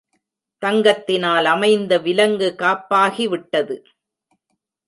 தங்கத்தினால் அமைந்த விலங்கு காப்பாகிவிடாது.